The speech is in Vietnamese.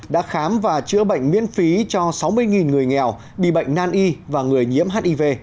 đã khám và chữa bệnh miễn phí cho sáu mươi người nghèo bị bệnh nan y và người nhiễm hiv